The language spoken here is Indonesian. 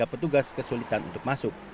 petugas kesulitan untuk masuk